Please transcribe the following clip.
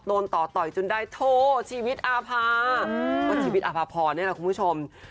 โดนต่อต่อยจนได้โทชีวิตอาภาว่าชีวิตอภาพรนี่แหละคุณผู้ชม